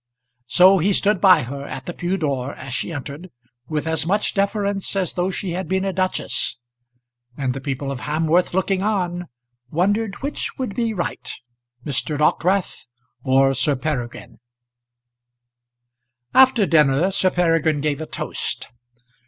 So he stood by her at the pew door as she entered, with as much deference as though she had been a duchess; and the people of Hamworth, looking on, wondered which would be right, Mr. Dockwrath or Sir Peregrine. After dinner Sir Peregrine gave a toast.